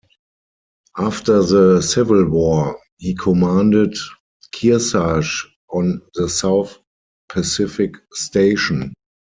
After the Civil War, he commanded "Kearsarge" on the South Pacific Station.